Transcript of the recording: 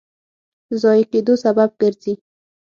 ضایع کېدو سبب ګرځي.